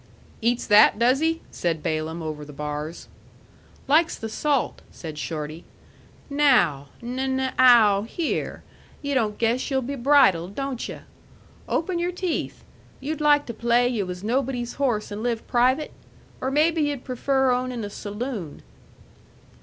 "Eats that, does he?" said Balaam, over the bars. "Likes the salt," said Shorty. "Now, n n ow, here! Yu' don't guess yu'll be bridled, don't you? Open your teeth! Yu'd like to play yu' was nobody's horse and live private? Or maybe yu'd prefer ownin' a saloon?"